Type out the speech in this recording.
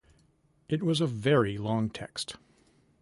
It was a very long text.